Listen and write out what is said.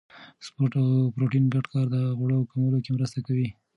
سپورت او پروتین ګډ کار د غوړو کمولو کې مرسته کوي.